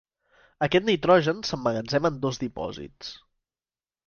Aquest nitrogen s'emmagatzema en dos dipòsits.